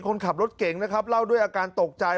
คนขับรถเก่งนะครับเล่าด้วยอาการตกใจ